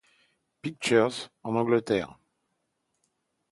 Pictures, en Angleterre.